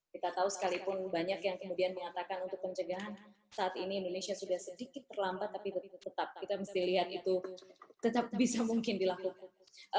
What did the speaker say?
kita tahu sekalipun banyak yang kemudian mengatakan untuk pencegahan saat ini indonesia sudah sedikit terlambat tapi tetap kita mesti lihat itu tetap bisa mungkin dilakukan